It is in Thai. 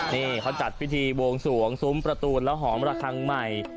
นี่เขาจัดพิธีบวงสวงซุ้มประตูและหอมระคังใหม่